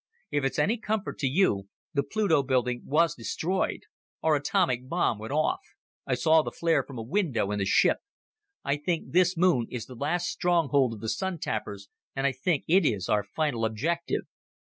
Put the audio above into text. If it's any comfort to you, the Pluto building was destroyed. Our atomic bomb went off. I saw the flare from a window in the ship. I think this moon is the last stronghold of the Sun tappers, and I think it is our final objective."